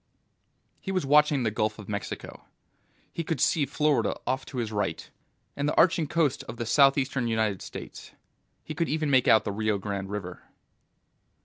He was watching the Gulf of Mexico. He could see Florida off to his right, and the arching coast of the southeastern United States. He could even make out the Rio Grande River.